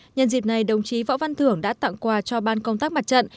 nhân dịp này đồng chí võ văn thưởng đã tặng quà cho ban công tác mặt trận